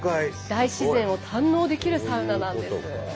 大自然を堪能できるサウナなんです。